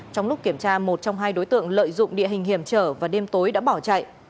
trong lúc kiểm tra một trong hai đối tượng lợi dụng địa hình hiểm trở và đêm tối đã bỏ chạy